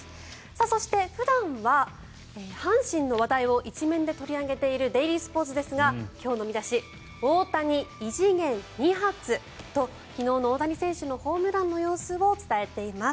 そして普段は阪神の話題を１面で取り上げているデイリースポーツですが今日の見出し「大谷、異次元２発」と昨日の大谷選手のホームランの様子を伝えています。